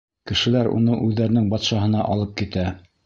Кешеләр уны үҙҙәренең батшаһына алып китә.